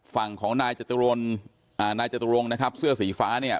ฝั่งของนายจตุรนอ่านายจตุรงค์นะครับเสื้อสีฟ้าเนี่ย